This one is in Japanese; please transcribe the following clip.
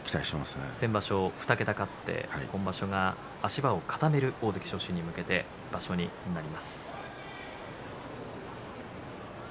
ここ先場所２桁勝って今場所足場を固める大関昇進に向けてという場所になります。